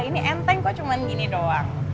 ini enteng kok cuma gini doang